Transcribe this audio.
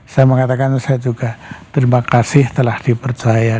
saya mengatakan saya juga terima kasih telah dipercaya